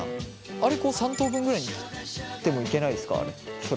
あれ３等分ぐらいに切ってもいけないですかあれ。